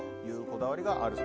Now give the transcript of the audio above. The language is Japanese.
こだわりがある。